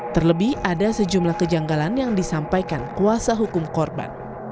terlebih ada sejumlah kejanggalan yang disampaikan kuasa hukum korban